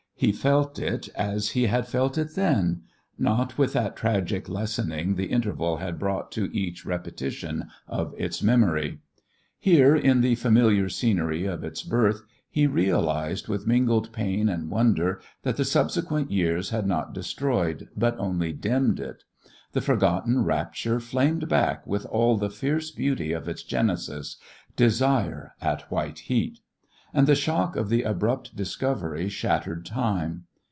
He felt it as he had felt it then not with that tragic lessening the interval had brought to each repetition of its memory. Here, in the familiar scenery of its birth, he realised with mingled pain and wonder that the subsequent years had not destroyed, but only dimmed it. The forgotten rapture flamed back with all the fierce beauty of its genesis, desire at white heat. And the shock of the abrupt discovery shattered time.